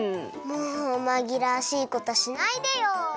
もうまぎらわしいことしないでよ。